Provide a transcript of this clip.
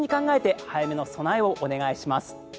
早めの備えをお願いします。